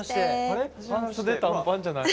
半袖短パンじゃない。